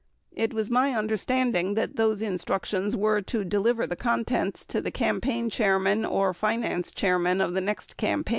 It was my understanding that those instructions were to deliver the contents to the Campaign Chairman or Finance Chair man of the next campaign.